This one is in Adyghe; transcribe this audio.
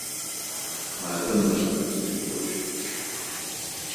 Матэм мыӏэрысэ тӏокӏ илъ.